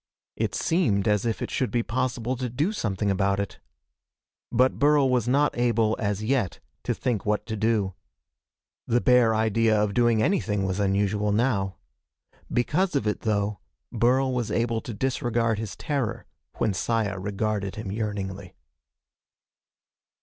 It seemed as if it should be possible to do something about it. But Burl was not able, as yet, to think what to do. The bare idea of doing anything was unusual, now. Because of it, though, Burl was able to disregard his terror when Saya regarded him yearningly.